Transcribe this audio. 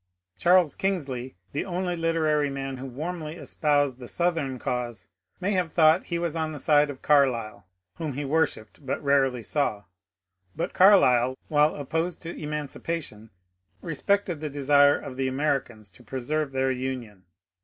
Charles Kingsley, the only literary man who warmly espoused the Southern cause, may have thought he was on the side of Carlyle, whom he worshipped but rarely saw ; but Carlyle, while opposed to emancipation, respected the desire of the Americans to pre serve their Union.